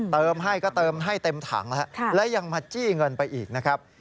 เติมให้ก็เติมให้เต็มถังแล้วและยังมาจี้เงินไปอีกนะครับ